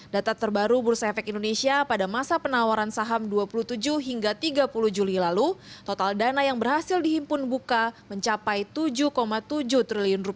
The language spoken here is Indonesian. data terbaru bursa efek indonesia pada masa penawaran saham rp dua puluh tujuh hingga tiga puluh juli lalu total dana yang berhasil dihimpun buka mencapai rp tujuh tujuh triliun